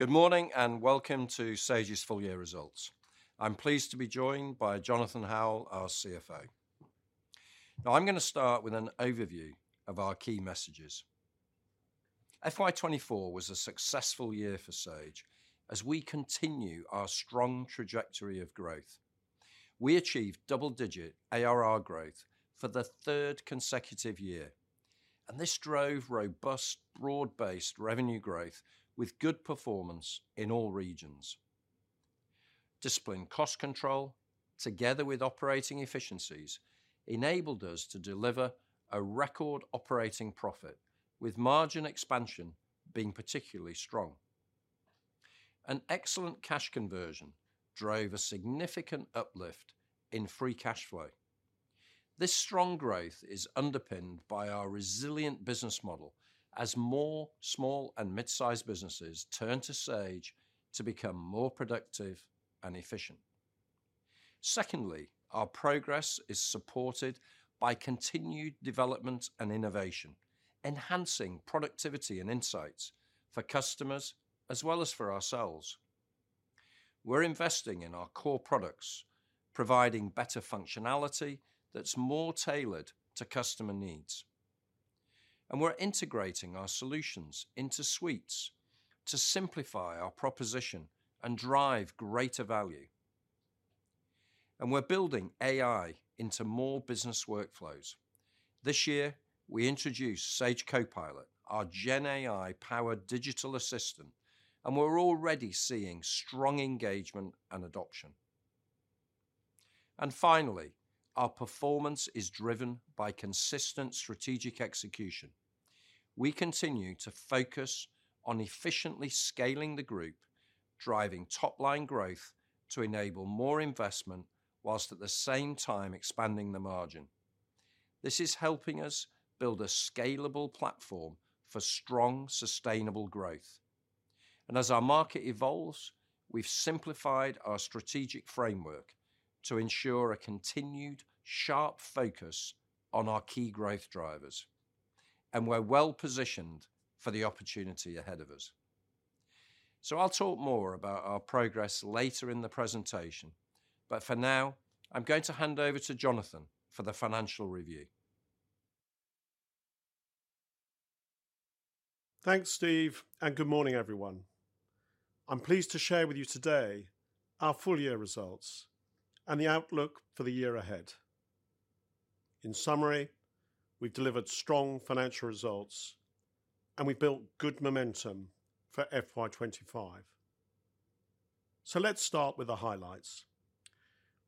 Good morning and welcome to Sage's full year results. I'm pleased to be joined by Jonathan Howell, our CFO. Now, I'm going to start with an overview of our key messages. FY24 was a successful year for Sage as we continue our strong trajectory of growth. We achieved double-digit ARR growth for the third consecutive year, and this drove robust, broad-based revenue growth with good performance in all regions. Disciplined cost control, together with operating efficiencies, enabled us to deliver a record operating profit, with margin expansion being particularly strong. An excellent cash conversion drove a significant uplift in free cash flow. This strong growth is underpinned by our resilient business model as more small and mid-sized businesses turn to Sage to become more productive and efficient. Secondly, our progress is supported by continued development and innovation, enhancing productivity and insights for customers as well as for ourselves. We're investing in our core products, providing better functionality that's more tailored to customer needs. We're integrating our solutions into suites to simplify our proposition and drive greater value. We're building AI into more business workflows. This year, we introduced Sage Copilot, our GenAI-powered digital assistant, and we're already seeing strong engagement and adoption. Finally, our performance is driven by consistent strategic execution. We continue to focus on efficiently scaling the group, driving top-line growth to enable more investment whilst at the same time expanding the margin. This is helping us build a scalable platform for strong, sustainable growth. As our market evolves, we've simplified our strategic framework to ensure a continued sharp focus on our key growth drivers. We're well positioned for the opportunity ahead of us. So I'll talk more about our progress later in the presentation, but for now, I'm going to hand over to Jonathan for the financial review. Thanks, Steve, and good morning, everyone. I'm pleased to share with you today our full year results and the outlook for the year ahead. In summary, we've delivered strong financial results, and we've built good momentum for FY25. So let's start with the highlights.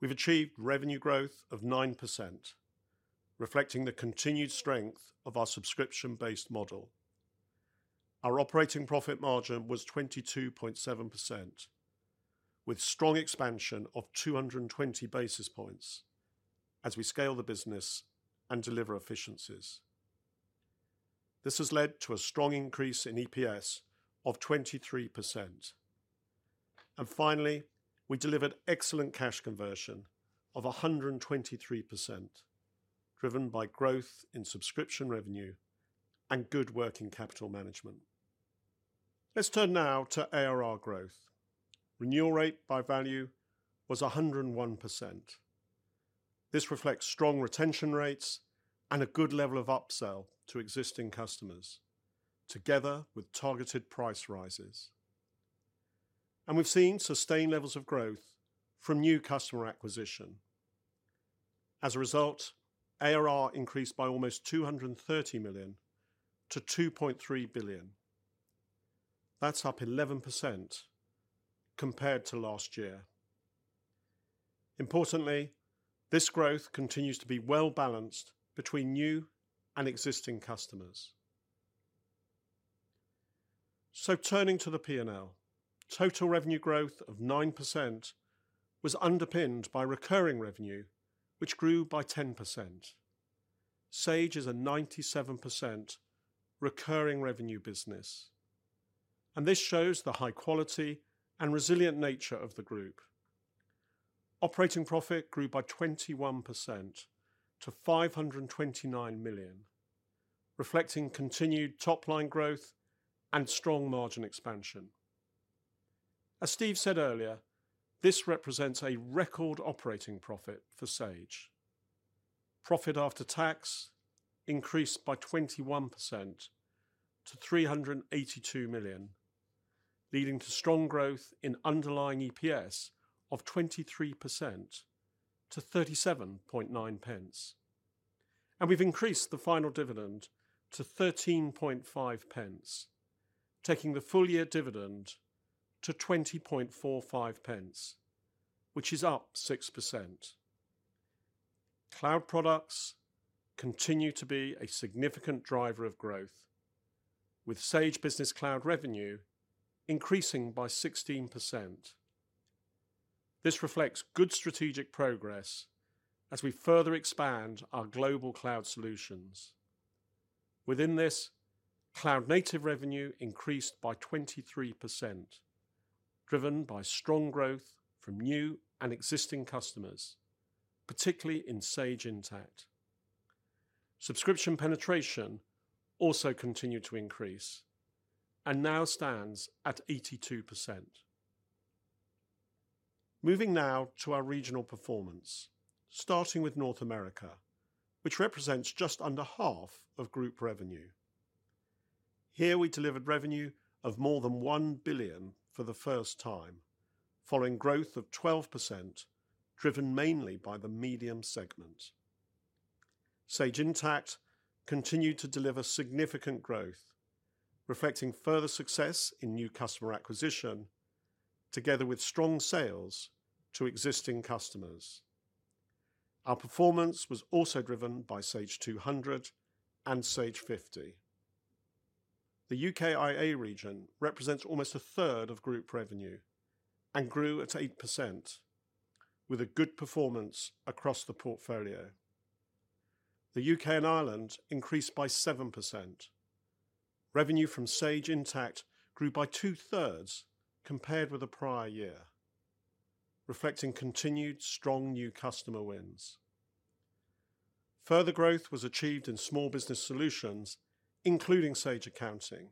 We've achieved revenue growth of 9%, reflecting the continued strength of our subscription-based model. Our operating profit margin was 22.7%, with strong expansion of 220 basis points as we scale the business and deliver efficiencies. This has led to a strong increase in EPS of 23%. And finally, we delivered excellent cash conversion of 123%, driven by growth in subscription revenue and good working capital management. Let's turn now to ARR growth. Renewal rate by value was 101%. This reflects strong retention rates and a good level of upsell to existing customers, together with targeted price rises. We've seen sustained levels of growth from new customer acquisition. As a result, ARR increased by almost 230 million to 2.3 billion. That's up 11% compared to last year. Importantly, this growth continues to be well-balanced between new and existing customers. Turning to the P&L, total revenue growth of 9% was underpinned by recurring revenue, which grew by 10%. Sage is a 97% recurring revenue business. This shows the high quality and resilient nature of the group. Operating profit grew by 21% to 529 million, reflecting continued top-line growth and strong margin expansion. As Steve said earlier, this represents a record operating profit for Sage. Profit after tax increased by 21% to 382 million, leading to strong growth in underlying EPS of 23% to 0.379. We've increased the final dividend to 0.135, taking the full year dividend to 0.2045, which is up 6%. Cloud products continue to be a significant driver of growth, with Sage Business Cloud revenue increasing by 16%. This reflects good strategic progress as we further expand our global cloud solutions. Within this, cloud-native revenue increased by 23%, driven by strong growth from new and existing customers, particularly in Sage Intacct. Subscription penetration also continued to increase and now stands at 82%. Moving now to our regional performance, starting with North America, which represents just under half of group revenue. Here we delivered revenue of more than 1 billion for the first time, following growth of 12% driven mainly by the medium segment. Sage Intacct continued to deliver significant growth, reflecting further success in new customer acquisition, together with strong sales to existing customers. Our performance was also driven by Sage 200 and Sage 50. The UKIA region represents almost a third of group revenue and grew at 8%, with a good performance across the portfolio. The U.K. and Ireland increased by 7%. Revenue from Sage Intacct grew by two-thirds compared with a prior year, reflecting continued strong new customer wins. Further growth was achieved in small business solutions, including Sage Accounting.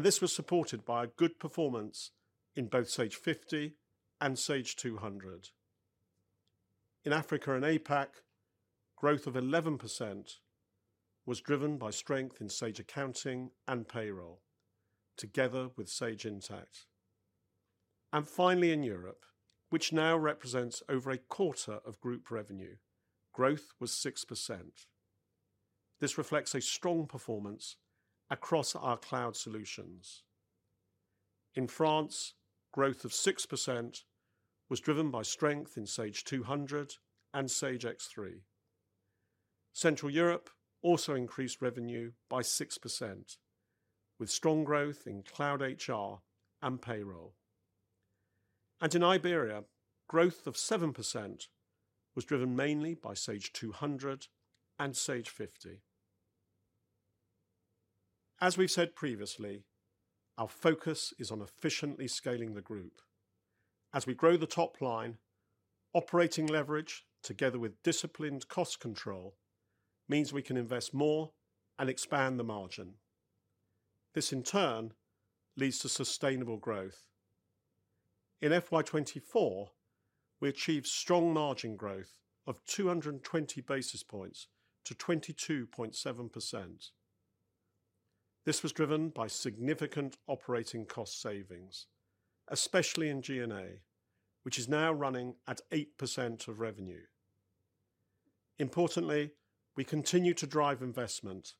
This was supported by a good performance in both Sage 50 and Sage 200. In Africa and APAC, growth of 11% was driven by strength in Sage Accounting and payroll, together with Sage Intacct. Finally, in Europe, which now represents over a quarter of group revenue, growth was 6%. This reflects a strong performance across our cloud solutions. In France, growth of 6% was driven by strength in Sage 200 and Sage X3. Central Europe also increased revenue by 6%, with strong growth in cloud HR and payroll. In Iberia, growth of 7% was driven mainly by Sage 200 and Sage 50. As we've said previously, our focus is on efficiently scaling the group. As we grow the top line, operating leverage, together with disciplined cost control, means we can invest more and expand the margin. This, in turn, leads to sustainable growth. In FY24, we achieved strong margin growth of 220 basis points to 22.7%. This was driven by significant operating cost savings, especially in G&A, which is now running at 8% of revenue. Importantly, we continue to drive investment,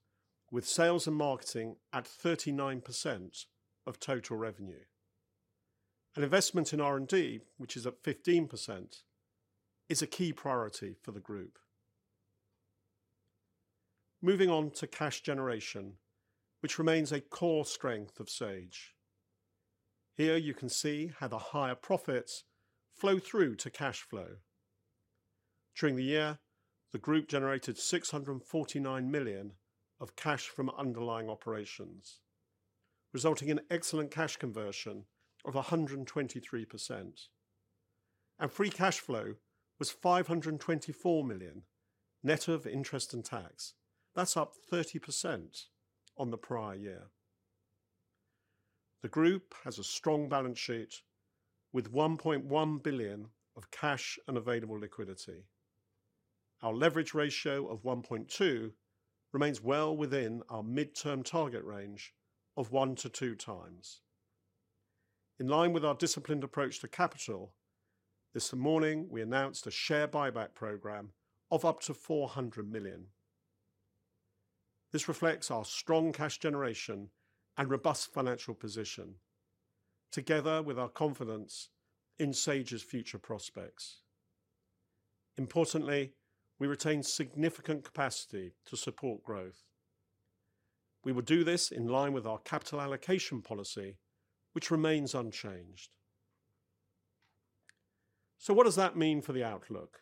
with sales and marketing at 39% of total revenue. And investment in R&D, which is at 15%, is a key priority for the group. Moving on to cash generation, which remains a core strength of Sage. Here you can see how the higher profits flow through to cash flow. During the year, the group generated 649 million of cash from underlying operations, resulting in excellent cash conversion of 123%, and free cash flow was 524 million, net of interest and tax. That's up 30% on the prior year. The group has a strong balance sheet with 1.1 billion of cash and available liquidity. Our leverage ratio of 1.2 remains well within our midterm target range of one to two times. In line with our disciplined approach to capital, this morning we announced a share buyback program of up to 400 million. This reflects our strong cash generation and robust financial position, together with our confidence in Sage's future prospects. Importantly, we retain significant capacity to support growth. We will do this in line with our capital allocation policy, which remains unchanged. What does that mean for the outlook?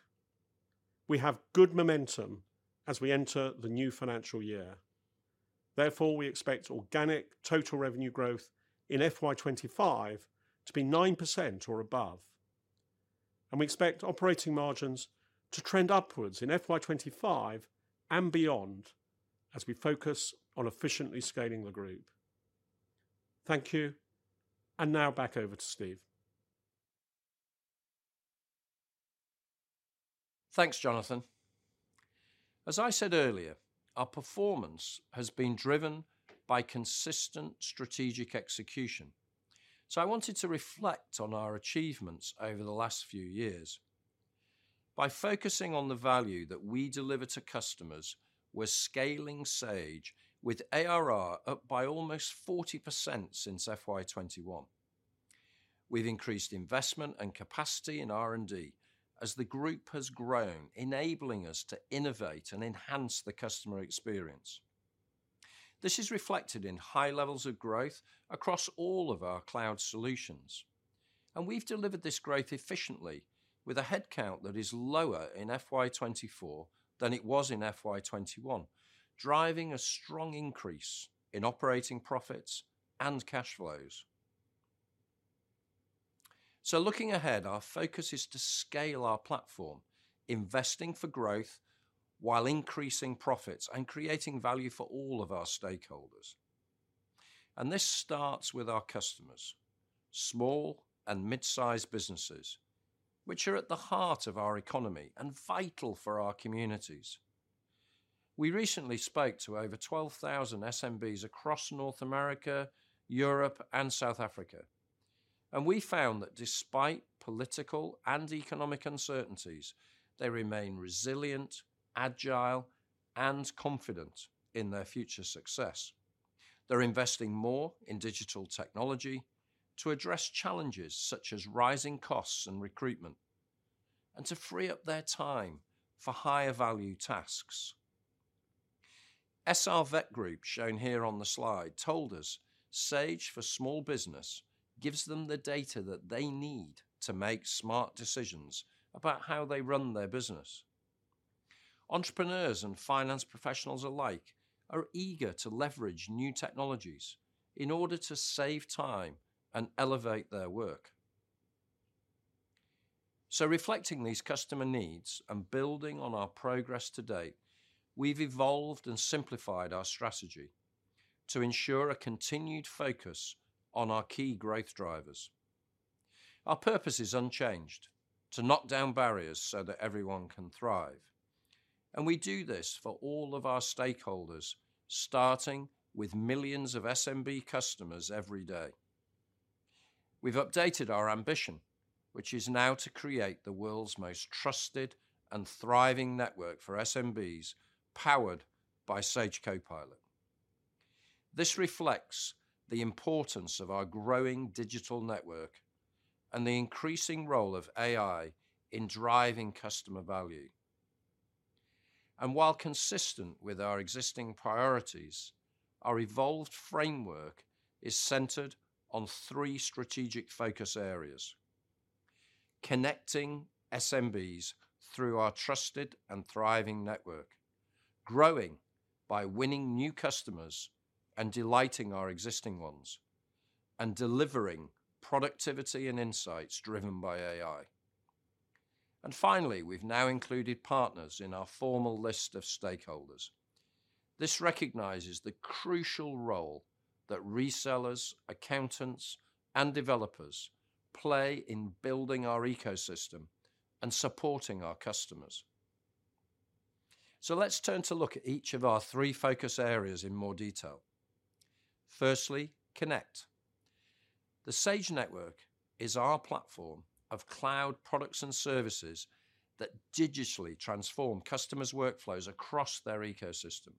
We have good momentum as we enter the new financial year. Therefore, we expect organic total revenue growth in FY25 to be 9% or above. And we expect operating margins to trend upwards in FY25 and beyond as we focus on efficiently scaling the group. Thank you. And now back over to Steve. Thanks, Jonathan. As I said earlier, our performance has been driven by consistent strategic execution. So I wanted to reflect on our achievements over the last few years. By focusing on the value that we deliver to customers, we're scaling Sage with ARR up by almost 40% since FY21. We've increased investment and capacity in R&D as the group has grown, enabling us to innovate and enhance the customer experience. This is reflected in high levels of growth across all of our cloud solutions. And we've delivered this growth efficiently with a headcount that is lower in FY24 than it was in FY21, driving a strong increase in operating profits and cash flows. So looking ahead, our focus is to scale our platform, investing for growth while increasing profits and creating value for all of our stakeholders. And this starts with our customers, small and mid-sized businesses, which are at the heart of our economy and vital for our communities. We recently spoke to over 12,000 SMBs across North America, Europe, and South Africa. And we found that despite political and economic uncertainties, they remain resilient, agile, and confident in their future success. They're investing more in digital technology to address challenges such as rising costs and recruitment, and to free up their time for higher value tasks. SR Vet Group, shown here on the slide, told us Sage for Small Business gives them the data that they need to make smart decisions about how they run their business. Entrepreneurs and finance professionals alike are eager to leverage new technologies in order to save time and elevate their work. Reflecting these customer needs and building on our progress to date, we've evolved and simplified our strategy to ensure a continued focus on our key growth drivers. Our purpose is unchanged: to knock down barriers so that everyone can thrive. We do this for all of our stakeholders, starting with millions of SMB customers every day. We've updated our ambition, which is now to create the world's most trusted and thriving network for SMBs powered by Sage Copilot. This reflects the importance of our growing digital network and the increasing role of AI in driving customer value. While consistent with our existing priorities, our evolved framework is centered on three strategic focus areas: connecting SMBs through our trusted and thriving network, growing by winning new customers and delighting our existing ones, and delivering productivity and insights driven by AI. Finally, we've now included partners in our formal list of stakeholders. This recognizes the crucial role that resellers, accountants, and developers play in building our ecosystem and supporting our customers. Let's turn to look at each of our three focus areas in more detail. Firstly, connect. The Sage Network is our platform of cloud products and services that digitally transform customers' workflows across their ecosystem.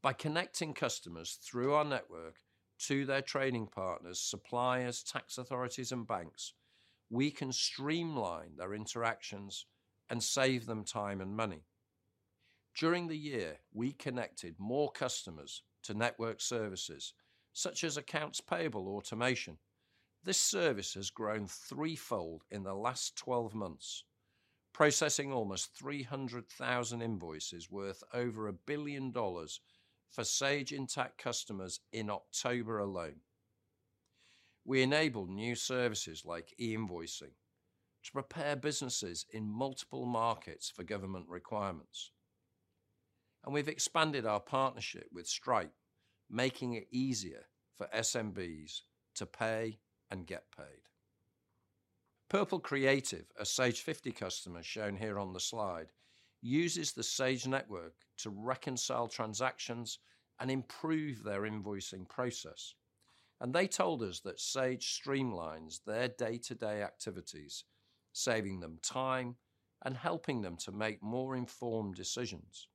By connecting customers through our network to their trading partners, suppliers, tax authorities, and banks, we can streamline their interactions and save them time and money. During the year, we connected more customers to network services such as accounts payable automation. This service has grown threefold in the last 12 months, processing almost 300,000 invoices worth over $1 billion for Sage Intacct customers in October alone. We enabled new services like e-invoicing to prepare businesses in multiple markets for government requirements. And we've expanded our partnership with Stripe, making it easier for SMBs to pay and get paid. Purple Creative, a Sage 50 customer shown here on the slide, uses the Sage Network to reconcile transactions and improve their invoicing process. And they told us that Sage streamlines their day-to-day activities, saving them time and helping them to make more informed decisions.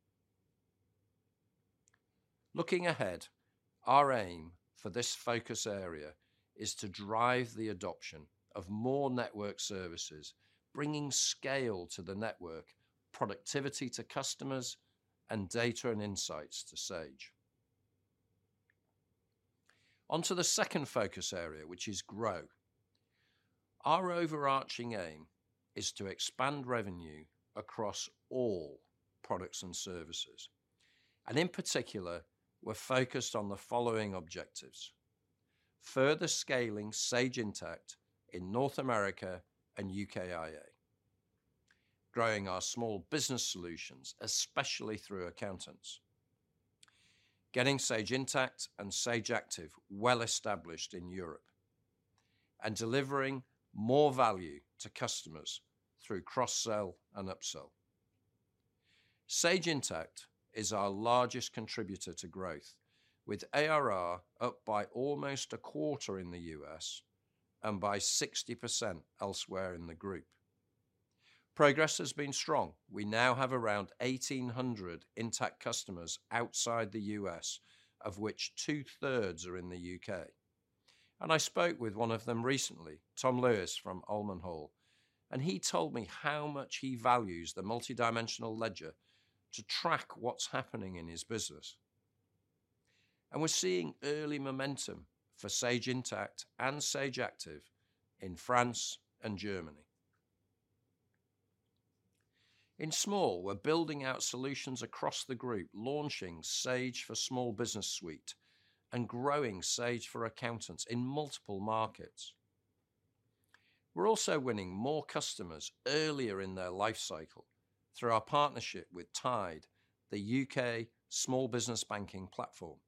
Looking ahead, our aim for this focus area is to drive the adoption of more network services, bringing scale to the network, productivity to customers, and data and insights to Sage. Onto the second focus area, which is grow. Our overarching aim is to expand revenue across all products and services. In particular, we're focused on the following objectives: further scaling Sage Intacct in North America and UKIA, growing our small business solutions, especially through accountants, getting Sage Intacct and Sage Active well established in Europe, and delivering more value to customers through cross-sell and upsell. Sage Intacct is our largest contributor to growth, with ARR up by almost a quarter in the U.S. and by 60% elsewhere in the group. Progress has been strong. We now have around 1,800 Intacct customers outside the U.S., of which two-thirds are in the U.K. I spoke with one of them recently, Tom Lewis from Ullmann Hall, and he told me how much he values the multidimensional ledger to track what's happening in his business. We're seeing early momentum for Sage Intacct and Sage Active in France and Germany. In small, we're building out solutions across the group, launching Sage for small business suite and growing Sage for Accountants in multiple markets. We're also winning more customers earlier in their life cycle through our partnership with Tide, the U.K. small business banking platform.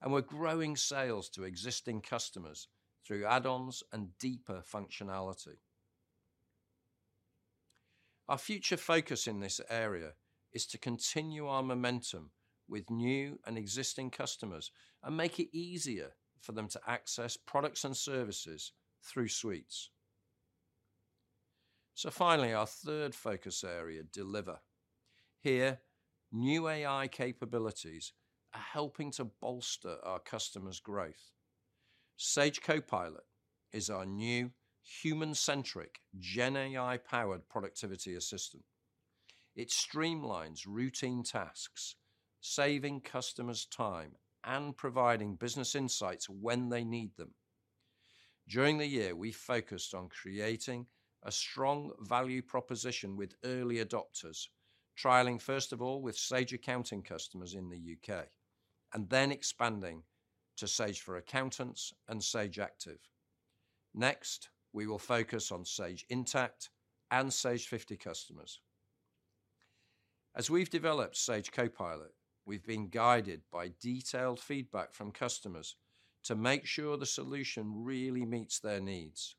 And we're growing sales to existing customers through add-ons and deeper functionality. Our future focus in this area is to continue our momentum with new and existing customers and make it easier for them to access products and services through suites. So finally, our third focus area, deliver. Here, new AI capabilities are helping to bolster our customers' growth. Sage Copilot is our new human-centric GenAI-powered productivity assistant. It streamlines routine tasks, saving customers' time and providing business insights when they need them. During the year, we focused on creating a strong value proposition with early adopters, trialing first of all with Sage Accounting customers in the U.K., and then expanding to Sage for Accountants and Sage Active. Next, we will focus on Sage Intacct and Sage 50 customers. As we've developed Sage Copilot, we've been guided by detailed feedback from customers to make sure the solution really meets their needs,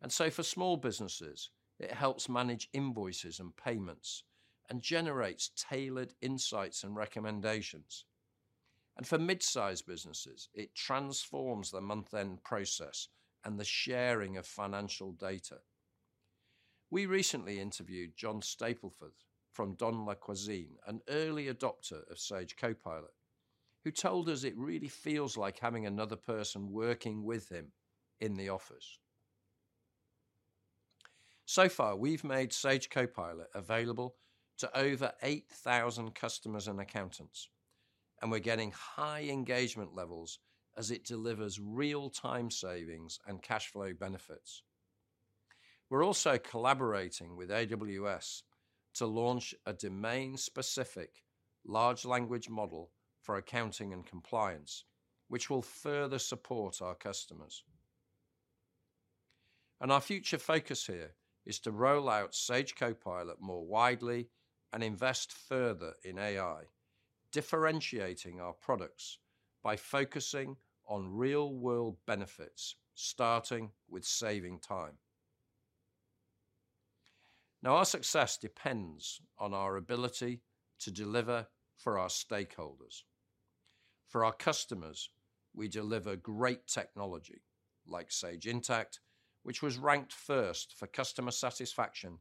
and so for small businesses, it helps manage invoices and payments and generates tailored insights and recommendations, and for mid-sized businesses, it transforms the month-end process and the sharing of financial data. We recently interviewed John Stapleton from Don La Cuisine, an early adopter of Sage Copilot, who told us it really feels like having another person working with him in the office. So far, we've made Sage Copilot available to over 8,000 customers and accountants, and we're getting high engagement levels as it delivers real-time savings and cash flow benefits. We're also collaborating with AWS to launch a domain-specific large language model for accounting and compliance, which will further support our customers. And our future focus here is to roll out Sage Copilot more widely and invest further in AI, differentiating our products by focusing on real-world benefits, starting with saving time. Now, our success depends on our ability to deliver for our stakeholders. For our customers, we deliver great technology like Sage Intacct, which was ranked first for customer satisfaction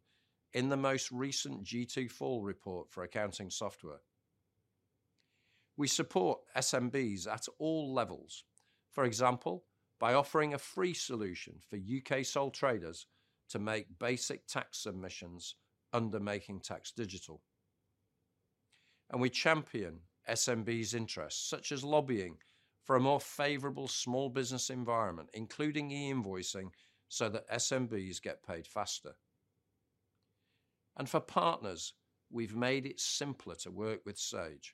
in the most recent G2 report for accounting software. We support SMBs at all levels, for example, by offering a free solution for U.K. sole traders to make basic tax submissions under Making Tax Digital. We champion SMBs' interests, such as lobbying for a more favorable small business environment, including e-invoicing, so that SMBs get paid faster. For partners, we've made it simpler to work with Sage.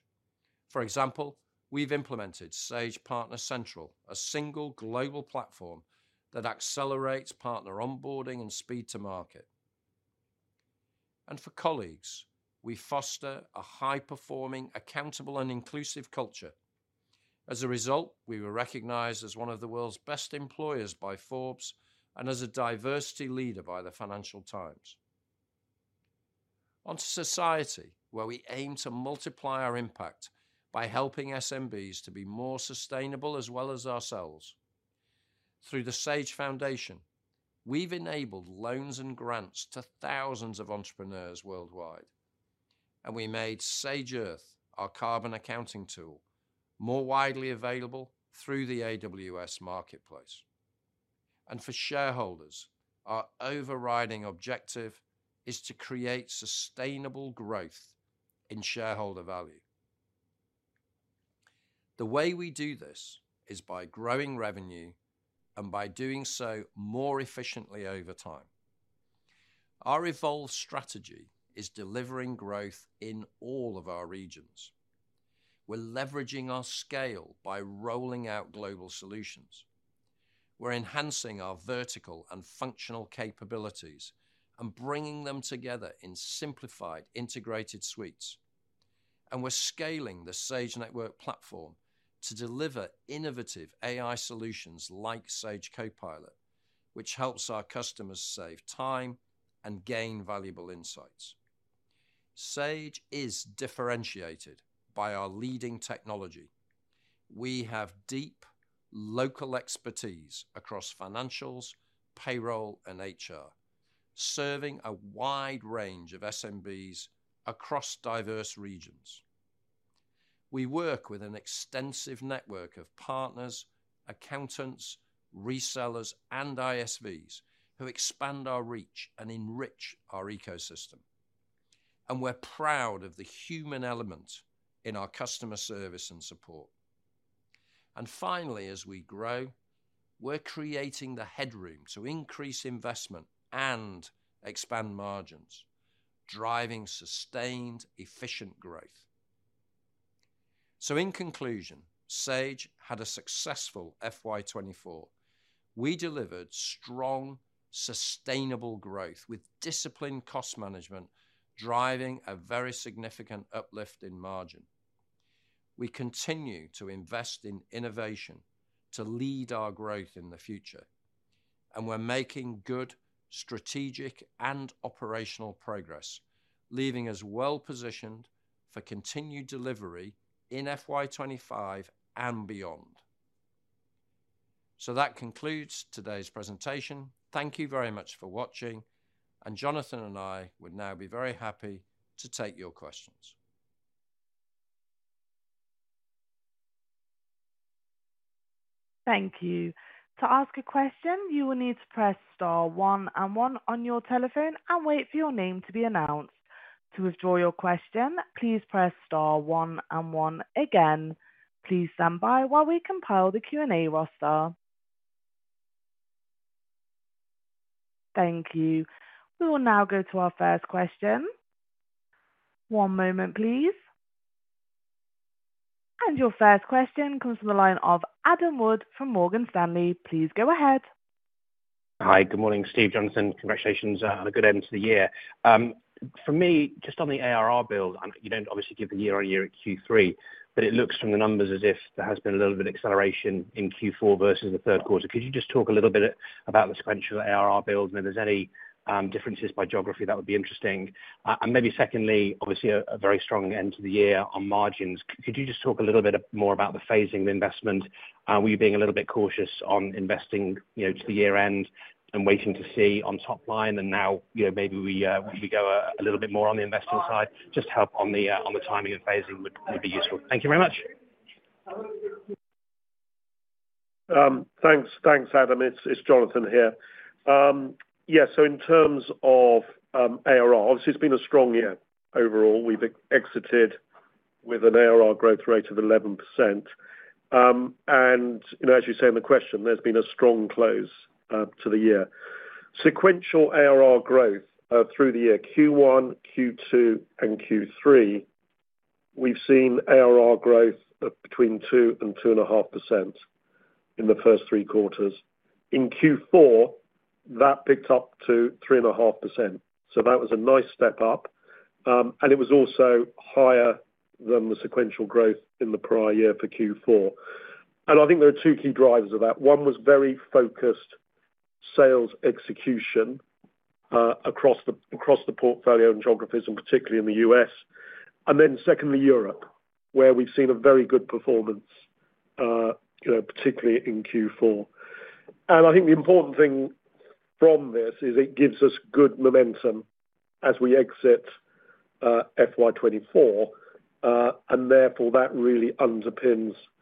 For example, we've implemented Sage Partner Central, a single global platform that accelerates partner onboarding and speed to market. For colleagues, we foster a high-performing, accountable, and inclusive culture. As a result, we were recognized as one of the world's best employers by Forbes and as a diversity leader by the Financial Times. Onto society, where we aim to multiply our impact by helping SMBs to be more sustainable as well as ourselves. Through the Sage Foundation, we've enabled loans and grants to thousands of entrepreneurs worldwide. We made Sage Earth, our carbon accounting tool, more widely available through the AWS marketplace. And for shareholders, our overriding objective is to create sustainable growth in shareholder value. The way we do this is by growing revenue and by doing so more efficiently over time. Our evolved strategy is delivering growth in all of our regions. We're leveraging our scale by rolling out global solutions. We're enhancing our vertical and functional capabilities and bringing them together in simplified integrated suites. And we're scaling the Sage Network platform to deliver innovative AI solutions like Sage Copilot, which helps our customers save time and gain valuable insights. Sage is differentiated by our leading technology. We have deep local expertise across financials, payroll, and HR, serving a wide range of SMBs across diverse regions. We work with an extensive network of partners, accountants, resellers, and ISVs who expand our reach and enrich our ecosystem. And we're proud of the human element in our customer service and support. And finally, as we grow, we're creating the headroom to increase investment and expand margins, driving sustained, efficient growth. So in conclusion, Sage had a successful FY24. We delivered strong, sustainable growth with disciplined cost management, driving a very significant uplift in margin. We continue to invest in innovation to lead our growth in the future. And we're making good strategic and operational progress, leaving us well-positioned for continued delivery in FY25 and beyond. So that concludes today's presentation. Thank you very much for watching. And Jonathan and I would now be very happy to take your questions. Thank you. To ask a question, you will need to press star one and one on your telephone and wait for your name to be announced. To withdraw your question, please press star one and one again. Please stand by while we compile the Q&A roster. Thank you. We will now go to our first question. One moment, please. And your first question comes from the line of Adam Wood from Morgan Stanley. Please go ahead. Hi, good morning, Steve and Jonathan. Congratulations on a good end to the year. For me, just on the ARR build, and you don't obviously give the year-on-year at Q3, but it looks from the numbers as if there has been a little bit of acceleration in Q4 versus the third quarter. Could you just talk a little bit about the sequential ARR build? If there's any differences by geography, that would be interesting. And maybe secondly, obviously, a very strong end to the year on margins. Could you just talk a little bit more about the phasing of investment? Were you being a little bit cautious on investing to the year-end and waiting to see on top line? And now maybe we go a little bit more on the investment side. Just help on the timing of phasing would be useful. Thank you very much. Thanks, Adam. It's Jonathan here. Yeah, so in terms of ARR, obviously, it's been a strong year overall. We've exited with an ARR growth rate of 11%. And as you say in the question, there's been a strong close to the year. Sequential ARR growth through the year, Q1, Q2, and Q3, we've seen ARR growth between 2% and 2.5% in the first three quarters. In Q4, that picked up to 3.5%. So that was a nice step up. And it was also higher than the sequential growth in the prior year for Q4. And I think there are two key drivers of that. One was very focused sales execution across the portfolio and geographies, and particularly in the U.S. And then secondly, Europe, where we've seen a very good performance, particularly in Q4. And I think the important thing from this is it gives us good momentum as we exit FY24. And therefore, that really underpins the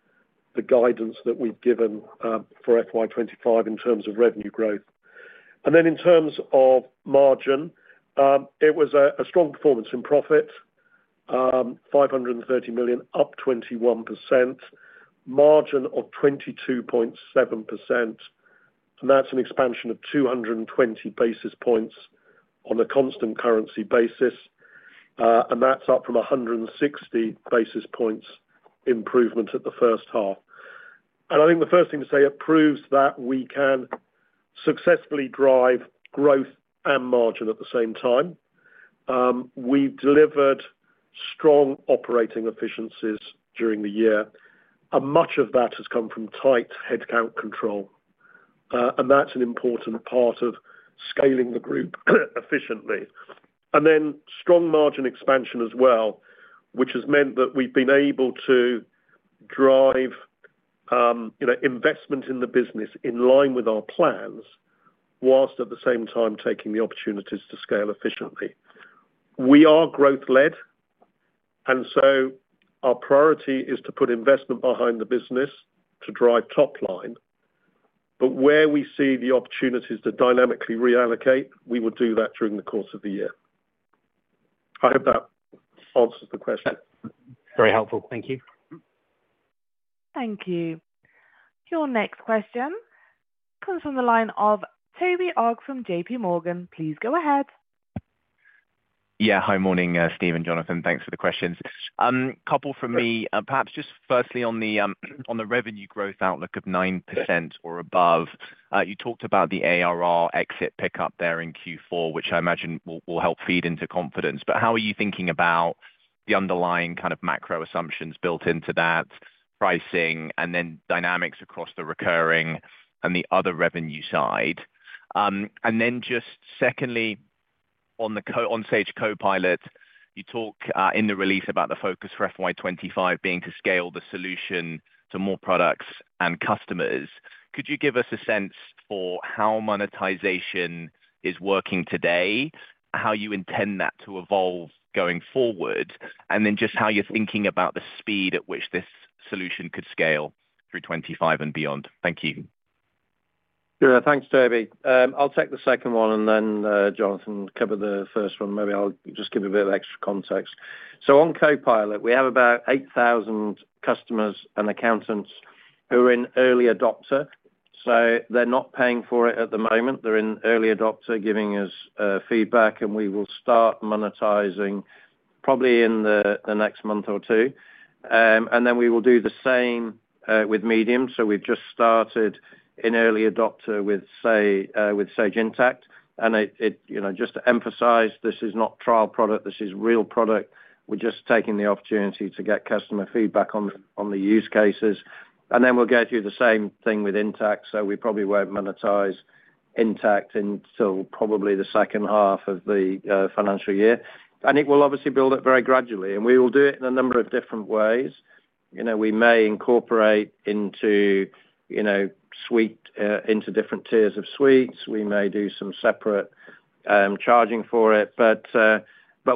guidance that we've given for FY25 in terms of revenue growth. And then in terms of margin, it was a strong performance in profit, 530 million, up 21%, margin of 22.7%. And that's an expansion of 220 basis points on a constant currency basis. And that's up from 160 basis points improvement at the first half. And I think the first thing to say, it proves that we can successfully drive growth and margin at the same time. We've delivered strong operating efficiencies during the year. And much of that has come from tight headcount control. And that's an important part of scaling the group efficiently. And then strong margin expansion as well, which has meant that we've been able to drive investment in the business in line with our plans, whilst at the same time taking the opportunities to scale efficiently. We are growth-led. And so our priority is to put investment behind the business to drive top line. But where we see the opportunities to dynamically reallocate, we will do that during the course of the year. I hope that answers the question. Very helpful. Thank you. Thank you. Your next question comes from the line of Toby Ogg from JPMorgan. Please go ahead. Yeah, hi morning, Steve and Jonathan. Thanks for the questions. A couple from me, perhaps just firstly on the revenue growth outlook of 9% or above. You talked about the ARR exit pickup there in Q4, which I imagine will help feed into confidence. But how are you thinking about the underlying kind of macro assumptions built into that pricing and then dynamics across the recurring and the other revenue side? And then just secondly, on Sage Copilot, you talk in the release about the focus for FY25 being to scale the solution to more products and customers. Could you give us a sense for how monetization is working today, how you intend that to evolve going forward, and then just how you're thinking about the speed at which this solution could scale through 25 and beyond? Thank you. Yeah, thanks, Toby. I'll take the second one, and then Jonathan cover the first one. Maybe I'll just give you a bit of extra context. So on Copilot, we have about 8,000 customers and accountants who are in early adopter. So they're not paying for it at the moment. They're in early adopter giving us feedback, and we will start monetizing probably in the next month or two. Then we will do the same with medium. We've just started in early adopter with Sage Intacct. Just to emphasize, this is not trial product. This is real product. We're just taking the opportunity to get customer feedback on the use cases. Then we'll go through the same thing with Intacct. We probably won't monetize Intacct until probably the second half of the financial year. It will obviously build up very gradually. We will do it in a number of different ways. We may incorporate into different tiers of suites. We may do some separate charging for it.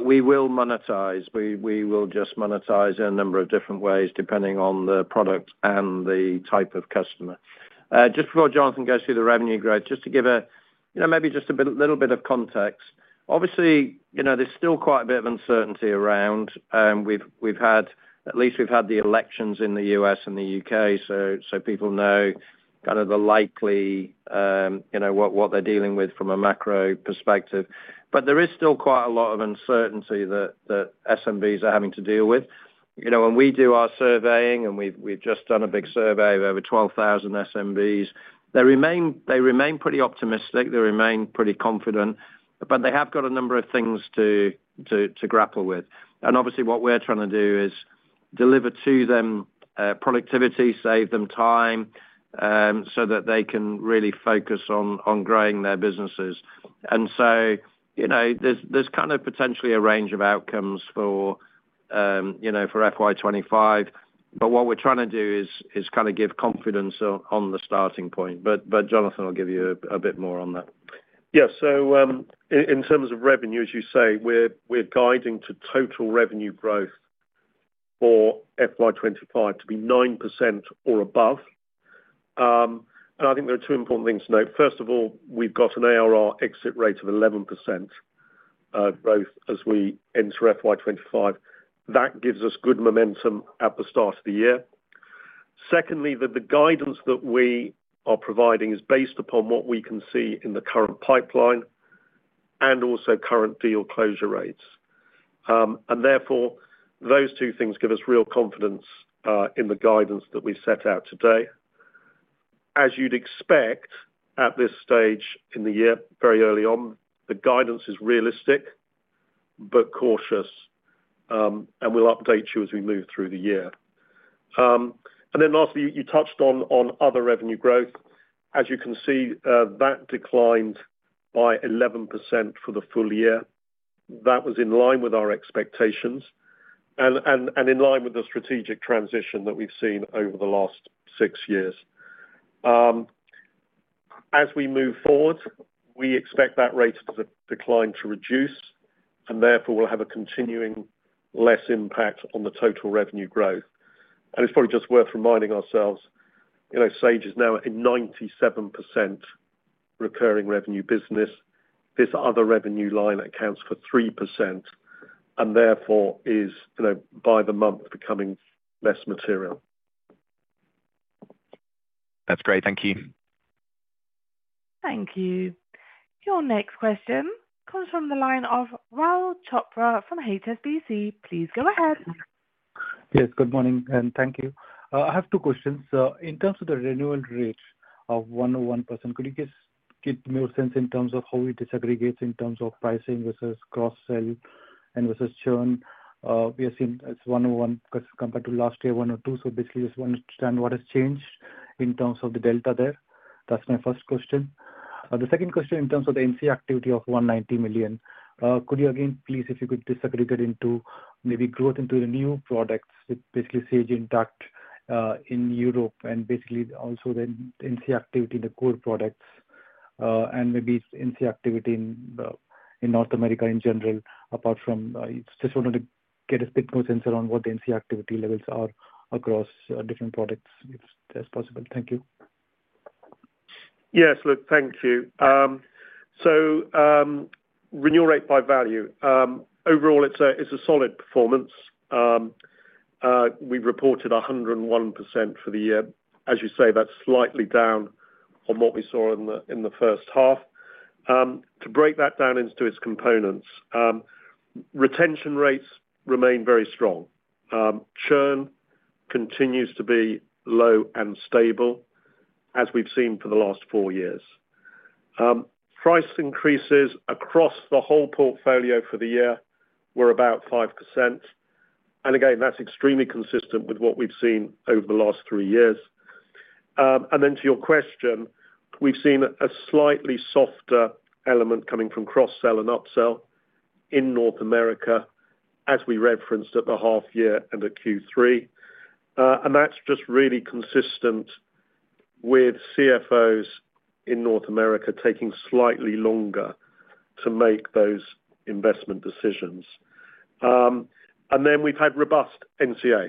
We will monetize. We will just monetize in a number of different ways depending on the product and the type of customer. Just before Jonathan goes through the revenue growth, just to give maybe just a little bit of context. Obviously, there's still quite a bit of uncertainty around. At least we've had the elections in the U.S. and the U.K., so people know kind of the likely what they're dealing with from a macro perspective, but there is still quite a lot of uncertainty that SMBs are having to deal with. When we do our surveying, and we've just done a big survey of over 12,000 SMBs, they remain pretty optimistic. They remain pretty confident, but they have got a number of things to grapple with, and obviously, what we're trying to do is deliver to them productivity, save them time so that they can really focus on growing their businesses, and so there's kind of potentially a range of outcomes for FY25. But what we're trying to do is kind of give confidence on the starting point. But Jonathan, I'll give you a bit more on that. Yeah, so in terms of revenue, as you say, we're guiding to total revenue growth for FY25 to be 9% or above. And I think there are two important things to note. First of all, we've got an ARR exit rate of 11% growth as we enter FY25. That gives us good momentum at the start of the year. Secondly, the guidance that we are providing is based upon what we can see in the current pipeline and also current deal closure rates. And therefore, those two things give us real confidence in the guidance that we've set out today. As you'd expect at this stage in the year, very early on, the guidance is realistic but cautious. And we'll update you as we move through the year. And then lastly, you touched on other revenue growth. As you can see, that declined by 11% for the full year. That was in line with our expectations and in line with the strategic transition that we've seen over the last six years. As we move forward, we expect that rate of decline to reduce. And therefore, we'll have a continuing less impact on the total revenue growth. And it's probably just worth reminding ourselves, Sage is now a 97% recurring revenue business. This other revenue line accounts for 3% and therefore is by the month becoming less material. That's great. Thank you. Thank you. Your next question comes from the line of Rahul Chopra from HSBC. Please go ahead. Yes, good morning, and thank you. I have two questions. In terms of the renewal rate of 101%, could you just give me a sense in terms of how we disaggregate in terms of pricing versus cross-sell and versus churn? We have seen it's 101% because compared to last year, 102%. So basically, just want to understand what has changed in terms of the delta there. That's my first question. The second question in terms of the NC activity of 190 million. Could you again, please, if you could disaggregate into maybe growth into the new products, basically Sage Intacct in Europe and basically also the NCA activity in the core products and maybe NCA activity in North America in general, apart from just wanting to get a bit more sense around what the NCA activity levels are across different products if that's possible. Thank you. Yes, look, thank you. So renewal rate by value. Overall, it's a solid performance. We've reported 101% for the year. As you say, that's slightly down from what we saw in the first half. To break that down into its components, retention rates remain very strong. Churn continues to be low and stable as we've seen for the last four years. Price increases across the whole portfolio for the year were about 5%. And again, that's extremely consistent with what we've seen over the last three years. And then to your question, we've seen a slightly softer element coming from cross-sell and upsell in North America as we referenced at the half year and at Q3. And that's just really consistent with CFOs in North America taking slightly longer to make those investment decisions. And then we've had robust NCA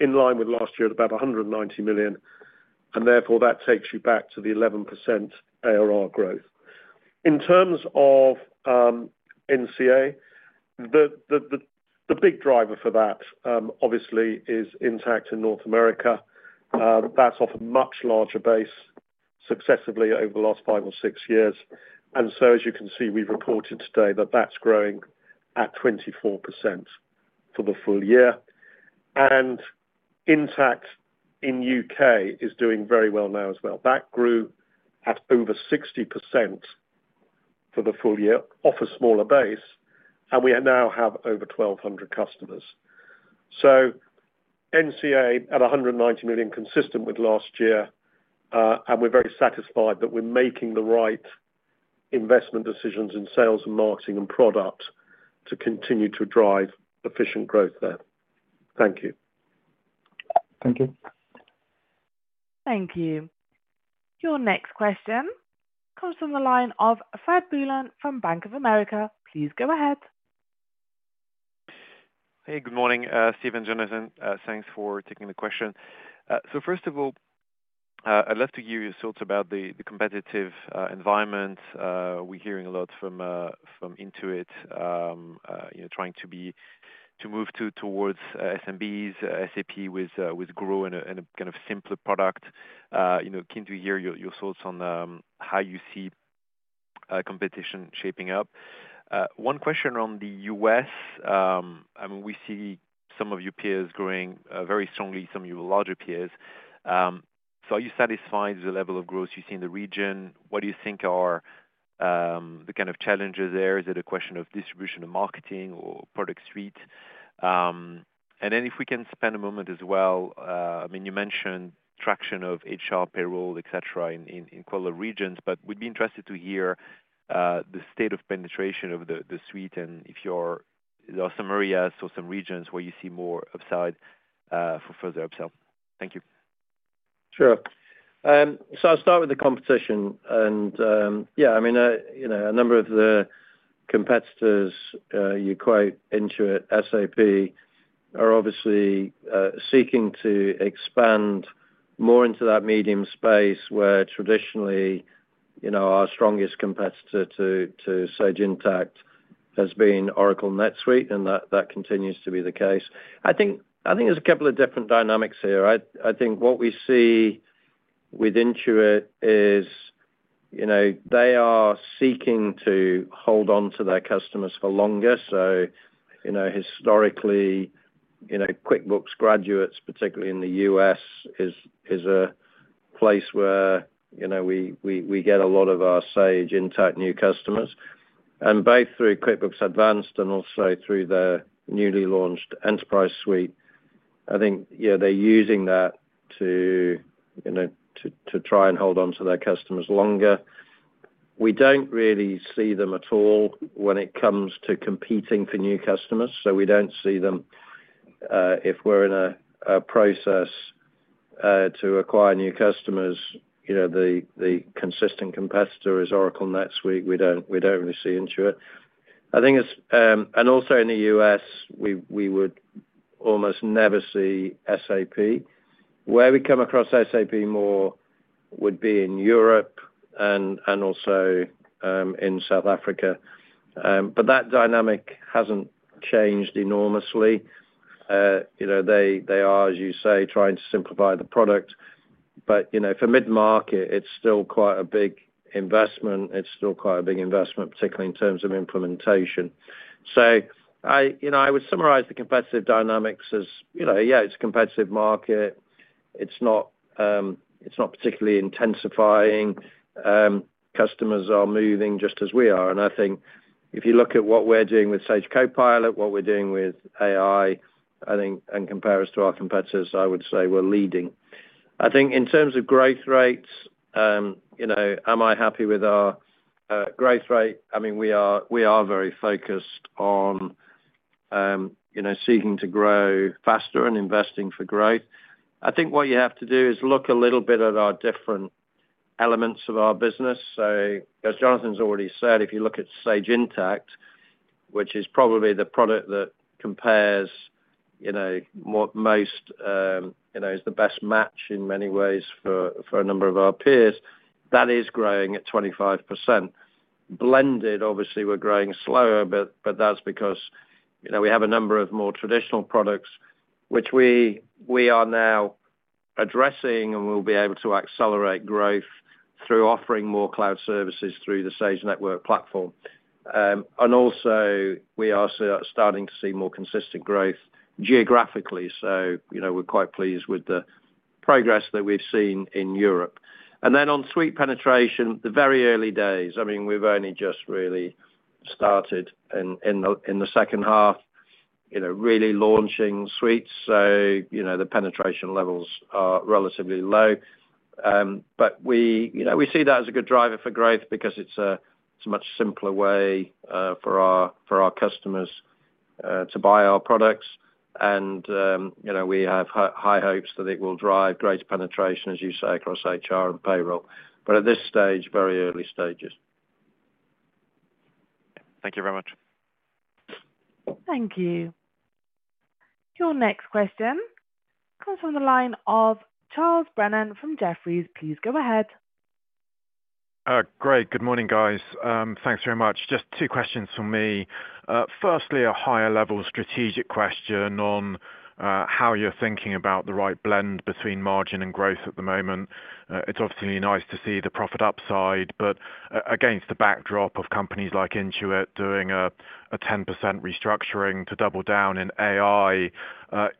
in line with last year at about 190 million. And therefore, that takes you back to the 11% ARR growth. In terms of NCA, the big driver for that obviously is Intacct in North America. That's of a much larger base successively over the last five or six years. And so as you can see, we've reported today that that's growing at 24% for the full year. And Intacct in U.K. is doing very well now as well. That grew at over 60% for the full year off a smaller base. And we now have over 1,200 customers. So NCA at 190 million consistent with last year. And we're very satisfied that we're making the right investment decisions in sales and marketing and product to continue to drive efficient growth there. Thank you. Thank you. Thank you. Your next question comes from the line of Fred Boulan from Bank of America. Please go ahead. Hey, good morning, Steve and Jonathan. Thanks for taking the question. So first of all, I'd love to hear your thoughts about the competitive environment. We're hearing a lot from Intuit trying to move towards SMBs, SAP with Grow in a kind of simpler product. Keen to hear your thoughts on how you see competition shaping up. One question around the U.S. I mean, we see some of your peers growing very strongly, some of your larger peers. So are you satisfied with the level of growth you see in the region? What do you think are the kind of challenges there? Is it a question of distribution of marketing or product suite? And then if we can spend a moment as well, I mean, you mentioned traction of HR, payroll, etc. In all regions, but we'd be interested to hear the state of penetration of the suite and if there are some areas or some regions where you see more upside for further upsell. Thank you. Sure, so I'll start with the competition, and yeah, I mean, a number of the competitors you quote, Intuit, SAP, are obviously seeking to expand more into that medium space where traditionally our strongest competitor to Sage Intacct has been Oracle NetSuite, and that continues to be the case. I think there's a couple of different dynamics here. I think what we see with Intuit is they are seeking to hold on to their customers for longer, so historically, QuickBooks graduates, particularly in the U.S., is a place where we get a lot of our Sage Intacct new customers. Both through QuickBooks Advanced and also through their newly launched enterprise suite, I think they're using that to try and hold on to their customers longer. We don't really see them at all when it comes to competing for new customers. So we don't see them if we're in a process to acquire new customers. The consistent competitor is Oracle NetSuite. We don't really see Intuit. I think it's and also in the U.S., we would almost never see SAP. Where we come across SAP more would be in Europe and also in South Africa. But that dynamic hasn't changed enormously. They are, as you say, trying to simplify the product. But for mid-market, it's still quite a big investment. It's still quite a big investment, particularly in terms of implementation. So I would summarize the competitive dynamics as, yeah, it's a competitive market. It's not particularly intensifying. Customers are moving just as we are. And I think if you look at what we're doing with Sage Copilot, what we're doing with AI, I think, and compare us to our competitors, I would say we're leading. I think in terms of growth rates, am I happy with our growth rate? I mean, we are very focused on seeking to grow faster and investing for growth. I think what you have to do is look a little bit at our different elements of our business. So as Jonathan's already said, if you look at Sage Intacct, which is probably the product that compares most, is the best match in many ways for a number of our peers, that is growing at 25%. Blended, obviously, we're growing slower, but that's because we have a number of more traditional products, which we are now addressing and will be able to accelerate growth through offering more cloud services through the Sage Network platform. And also, we are starting to see more consistent growth geographically. So we're quite pleased with the progress that we've seen in Europe. And then on suite penetration, the very early days, I mean, we've only just really started in the second half, really launching suites. So the penetration levels are relatively low. But we see that as a good driver for growth because it's a much simpler way for our customers to buy our products. And we have high hopes that it will drive greater penetration, as you say, across HR and payroll. But at this stage, very early stages. Thank you very much. Thank you. Your next question comes from the line of Charles Brennan from Jefferies. Please go ahead. Great. Good morning, guys. Thanks very much. Just two questions for me. Firstly, a higher-level strategic question on how you're thinking about the right blend between margin and growth at the moment. It's obviously nice to see the profit upside, but against the backdrop of companies like Intuit doing a 10% restructuring to double down in AI,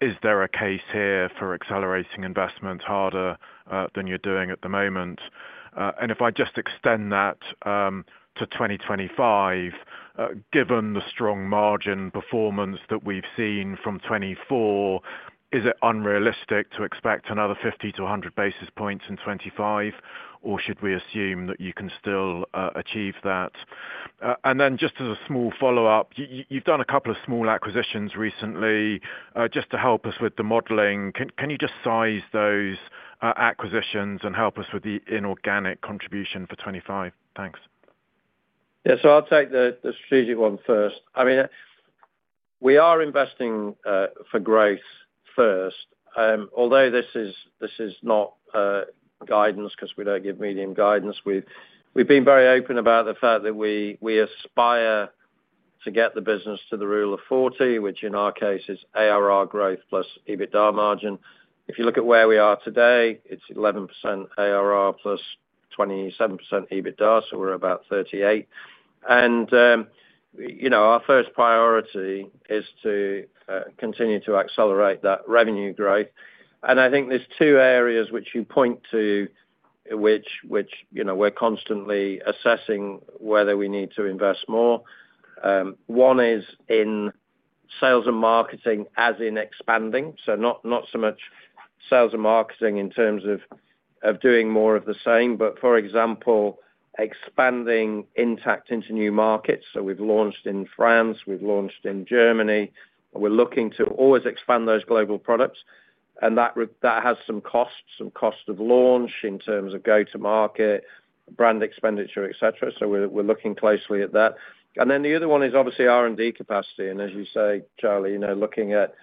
is there a case here for accelerating investment harder than you're doing at the moment? And if I just extend that to 2025, given the strong margin performance that we've seen from 2024, is it unrealistic to expect another 50-100 basis points in 2025, or should we assume that you can still achieve that? And then just as a small follow-up, you've done a couple of small acquisitions recently just to help us with the modeling. Can you just size those acquisitions and help us with the inorganic contribution for 2025? Thanks. Yeah. So I'll take the strategic one first. I mean, we are investing for growth first. Although this is not guidance because we don't give medium guidance, we've been very open about the fact that we aspire to get the business to the Rule of 40, which in our case is ARR growth plus EBITDA margin. If you look at where we are today, it's 11% ARR plus 27% EBITDA, so we're about 38, and our first priority is to continue to accelerate that revenue growth, and I think there's two areas which you point to which we're constantly assessing whether we need to invest more. One is in sales and marketing as in expanding. So not so much sales and marketing in terms of doing more of the same, but for example, expanding Intacct into new markets. So we've launched in France. We've launched in Germany. We're looking to always expand those global products. And that has some costs, some cost of launch in terms of go-to-market, brand expenditure, etc. So we're looking closely at that. And then the other one is obviously R&D capacity. And as you say, Charlie, looking at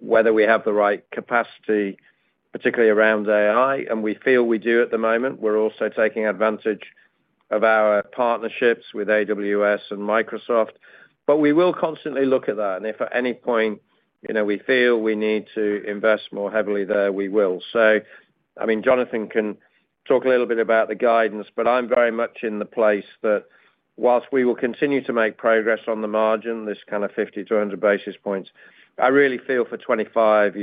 whether we have the right capacity, particularly around AI, and we feel we do at the moment. We're also taking advantage of our partnerships with AWS and Microsoft. But we will constantly look at that. And if at any point we feel we need to invest more heavily there, we will. So I mean, Jonathan can talk a little bit about the guidance, but I'm very much in the place that whilst we will continue to make progress on the margin, this kind of 50-100 basis points, I really feel for 2025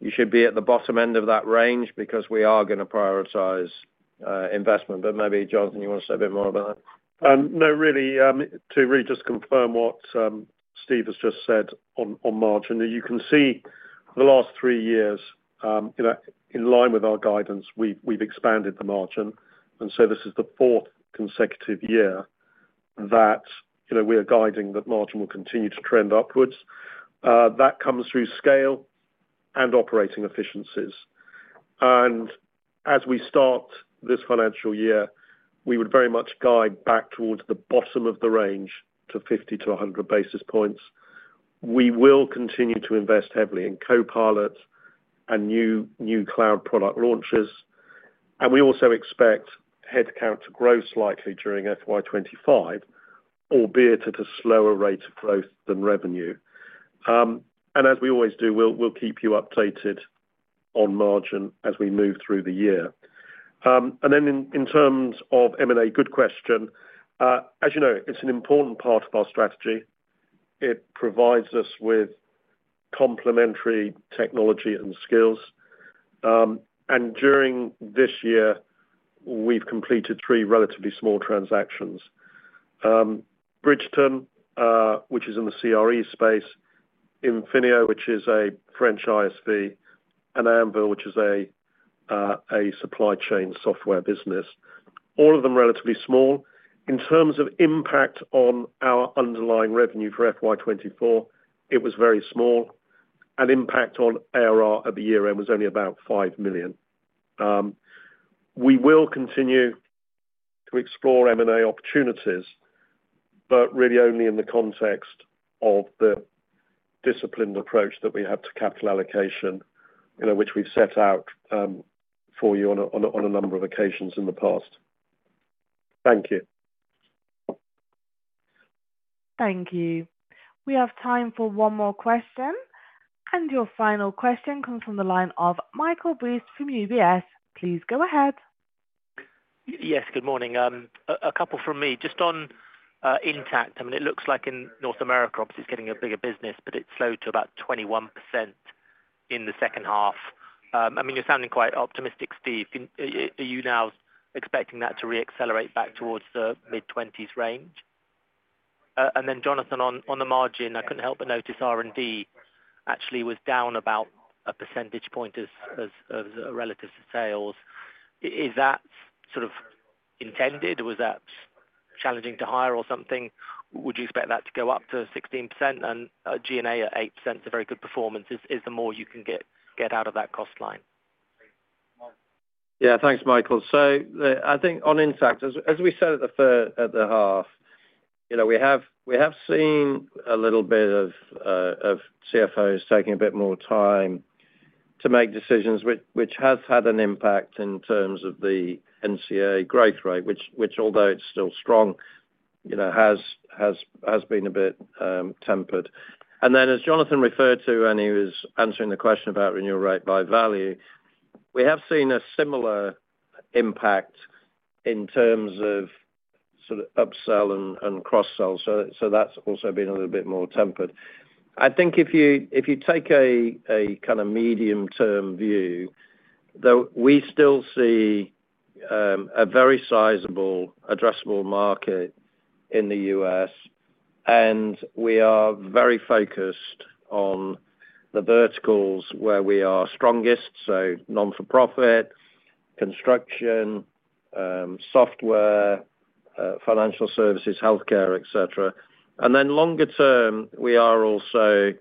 you should be at the bottom end of that range because we are going to prioritize investment. But maybe, Jonathan, you want to say a bit more about that? No, really, to really just confirm what Steve has just said on margin, you can see for the last three years, in line with our guidance, we've expanded the margin. And so this is the fourth consecutive year that we are guiding that margin will continue to trend upwards. That comes through scale and operating efficiencies. As we start this financial year, we would very much guide back towards the bottom of the range to 50-100 basis points. We will continue to invest heavily in Copilot and new cloud product launches. We also expect headcount to grow slightly during FY25, albeit at a slower rate of growth than revenue. As we always do, we'll keep you updated on margin as we move through the year. Then in terms of M&A, good question. As you know, it's an important part of our strategy. It provides us with complementary technology and skills. During this year, we've completed three relatively small transactions: Bridgeton, which is in the CRE space, Infineo, which is a French ISV, and Anvil, which is a supply chain software business. All of them relatively small. In terms of impact on our underlying revenue for FY24, it was very small, and impact on ARR at the year-end was only about 5 million. We will continue to explore M&A opportunities, but really only in the context of the disciplined approach that we have to capital allocation, which we've set out for you on a number of occasions in the past. Thank you. Thank you. We have time for one more question, and your final question comes from the line of Michael Briest from UBS. Please go ahead. Yes, good morning. A couple from me. Just on Intacct, I mean, it looks like in North America, obviously, it's getting a bigger business, but it's slowed to about 21% in the second half. I mean, you're sounding quite optimistic, Steve. Are you now expecting that to re-accelerate back towards the mid-20s% range? Then, Jonathan, on the margin, I couldn't help but notice R&D actually was down about a percentage point relative to sales. Is that sort of intended, or was that challenging to hire or something? Would you expect that to go up to 16%? G&A at 8%, it's a very good performance. Is there more you can get out of that cost line? Yeah, thanks, Michael. So I think on Intacct, as we said at the half, we have seen a little bit of CFOs taking a bit more time to make decisions, which has had an impact in terms of the NCA growth rate, which, although it's still strong, has been a bit tempered. Then, as Jonathan referred to, and he was answering the question about renewal rate by value, we have seen a similar impact in terms of sort of upsell and cross-sell. That's also been a little bit more tempered. I think if you take a kind of medium-term view, we still see a very sizable, addressable market in the U.S., and we are very focused on the verticals where we are strongest, so non-for-profit, construction, software, financial services, healthcare, etc. And then longer term, we are also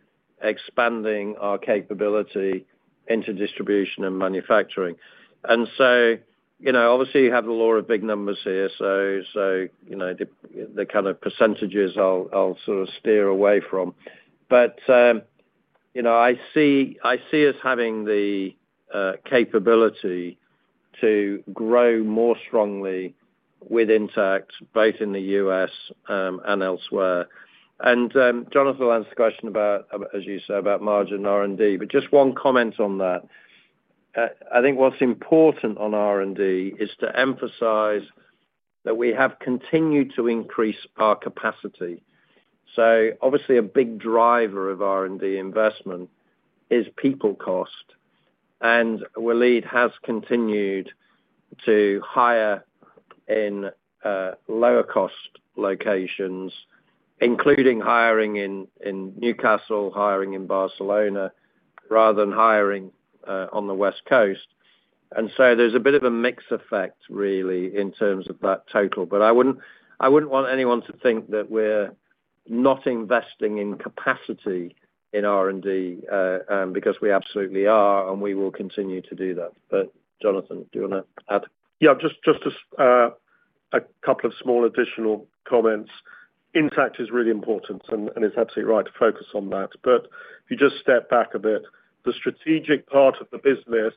expanding our capability into distribution and manufacturing. And so obviously, you have the law of big numbers here, so the kind of percentages I'll sort of steer away from. But I see us having the capability to grow more strongly with Intacct, both in the U.S. and elsewhere. And Jonathan will answer the question about, as you say, about margin and R&D. But just one comment on that. I think what's important on R&D is to emphasize that we have continued to increase our capacity. So obviously, a big driver of R&D investment is people cost. And Walid has continued to hire in lower-cost locations, including hiring in Newcastle, hiring in Barcelona, rather than hiring on the West Coast. And so there's a bit of a mixed effect, really, in terms of that total. But I wouldn't want anyone to think that we're not investing in capacity in R&D because we absolutely are, and we will continue to do that. But Jonathan, do you want to add? Yeah, just a couple of small additional comments. Intacct is really important, and it's absolutely right to focus on that. But if you just step back a bit, the strategic part of the business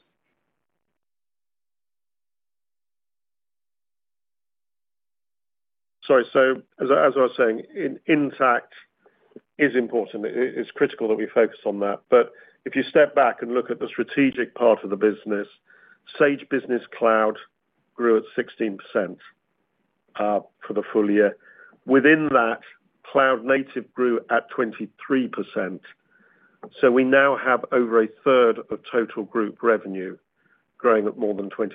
sorry, so as I was saying, Intacct is important. It's critical that we focus on that. But if you step back and look at the strategic part of the business, Sage Business Cloud grew at 16% for the full year. Within that, Cloud Native grew at 23%. So we now have over a third of total group revenue growing at more than 20%.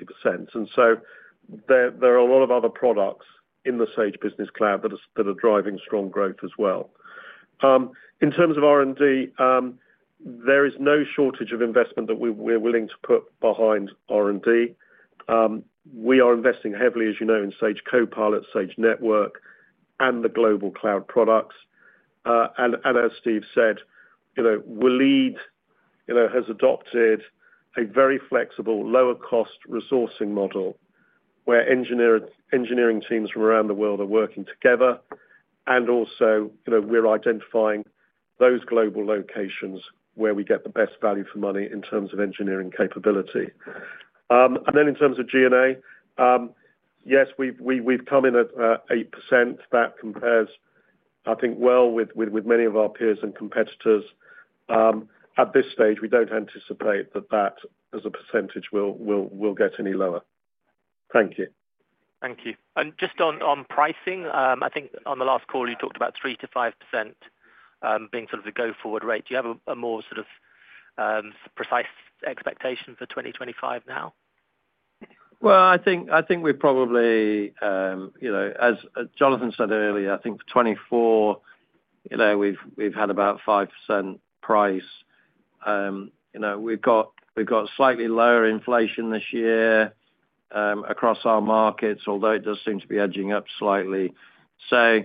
And so there are a lot of other products in the Sage Business Cloud that are driving strong growth as well. In terms of R&D, there is no shortage of investment that we're willing to put behind R&D. We are investing heavily, as you know, in Sage Copilot, Sage Network, and the global cloud products. And as Steve said, Waleed has adopted a very flexible, lower-cost resourcing model where engineering teams from around the world are working together. And also, we're identifying those global locations where we get the best value for money in terms of engineering capability. In terms of G&A, yes, we've come in at 8%. That compares, I think, well with many of our peers and competitors. At this stage, we don't anticipate that that, as a percentage, will get any lower. Thank you. Thank you. Just on pricing, I think on the last call, you talked about 3%-5% being sort of the go-forward rate. Do you have a more sort of precise expectation for 2025 now? I think we probably, as Jonathan said earlier, I think for 2024, we've had about 5% price. We've got slightly lower inflation this year across our markets, although it does seem to be edging up slightly. So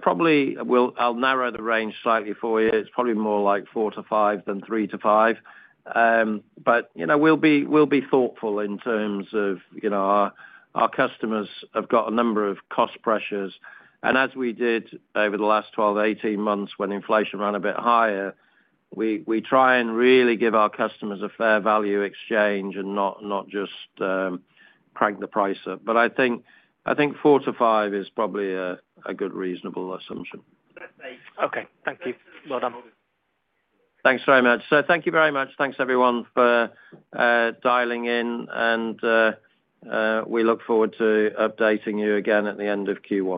probably I'll narrow the range slightly for you. It's probably more like 4%-5% than 3%-5%. But we'll be thoughtful in terms of our customers have got a number of cost pressures. And as we did over the last 12, 18 months when inflation ran a bit higher, we try and really give our customers a fair value exchange and not just crank the price up. But I think 4%-5% is probably a good reasonable assumption. Okay. Thank you. Well done. Thanks very much. So thank you very much. Thanks, everyone, for dialing in. And we look forward to updating you again at the end of Q1.